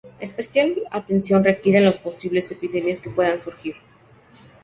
Especial atención requieren las posibles epidemias que puedan surgir.